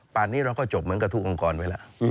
นี้เราก็จบเหมือนกับทุกองค์กรไว้แล้ว